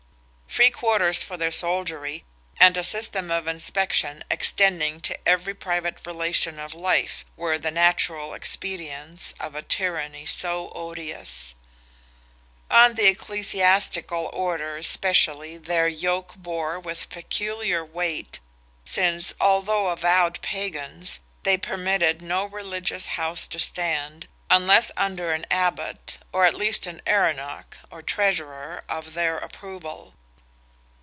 Free quarters for their soldiery, and a system of inspection extending to every private relation of life, were the natural expedients of a tyranny so odious. On the ecclesiastical order especially their yoke bore with peculiar weight, since, although avowed Pagans, they permitted no religious house to stand, unless under an Abbot, or at least an Erenach (or Treasurer) of their approval.